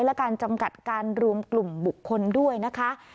และการจำกัดการรวมกลุ่มบุคคลด้วยนะคะ